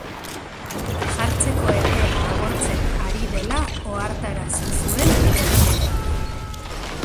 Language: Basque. Jartzeko epea agortzen ari dela ohartarazi zuen egunetan.